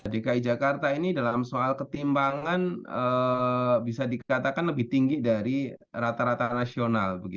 dki jakarta ini dalam soal ketimbangan bisa dikatakan lebih tinggi dari rata rata nasional